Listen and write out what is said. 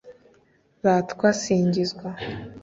ratwa singizwa